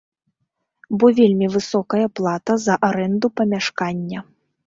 Бо вельмі высокая плата за арэнду памяшкання.